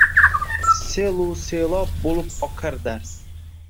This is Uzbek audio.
Sel-u selob boʼlib oqar dard.